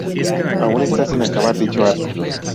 Aún está sin acabar dicho arco.